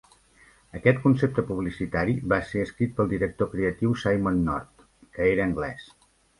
Aquest concepte publicitari va ser escrit pel director creatiu Simon North, que era anglès.